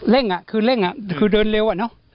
เร่งอ่ะคือเร่งอ่ะคือเดินเร็วอ่ะเนาะ